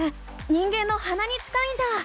人間のはなに近いんだ！